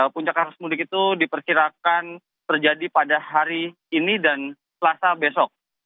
puncak arus mudik itu diperkirakan terjadi pada hari ini dan selasa besok